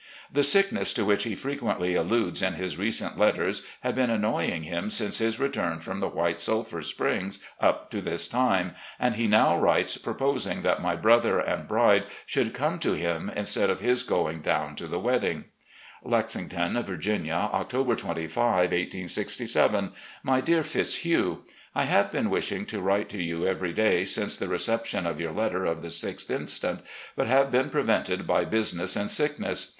The sickness to which he frequently alludes in his recent letters had been aimoy ing him since his return from the White Sulphur Springs up to this time, and he now writes proposing that my brother and bride should come to him instead of his going down to the wedding: "Lexington, Virginia, October 25, 1867. "My Dear Fitdiugh: I have been wishing to write to you every day since the reception of your letter of the 6th inst., but have been prevented by business and sickness.